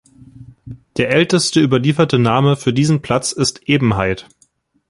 Der älteste überlieferte Namen für diesen Platz ist "Ebenheit".